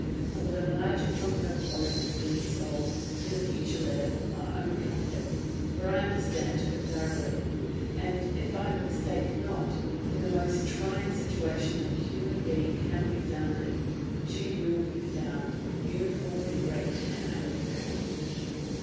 I will enlarge upon her qualities, dearest soul, in a future letter for my own comfort, for I understand her thoroughly; and if I mistake not, in the most trying situation that a human being can be found in, she will be found ... uniformly great and amiable.